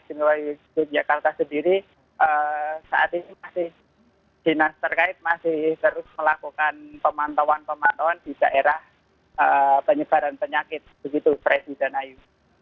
di yogyakarta sendiri saat ini masih dinas terkait masih terus melakukan pemantauan pemantauan di daerah penyebaran penyakit begitu freddy dan ayu